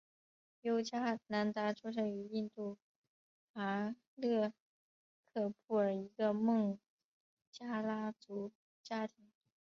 尤迦南达出生于印度戈勒克布尔一个孟加拉族家庭。